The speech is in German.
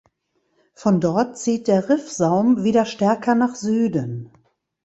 Von dort zieht der Riffsaum wieder stärker nach Süden.